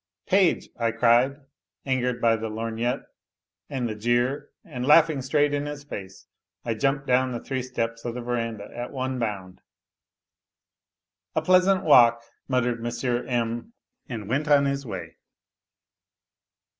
" Page !" I cried, angered by the lorgnette and the jeei and laughing straight in his face I jumped down the three stej of the verandah at one bound. " A pleasant walk," muttered M. M., and went on his way.